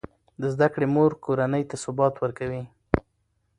د زده کړې مور کورنۍ ته ثبات ورکوي.